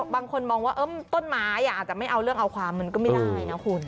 บางคนมองว่าต้นไม้อาจจะไม่เอาเรื่องเอาความมันก็ไม่ได้นะคุณ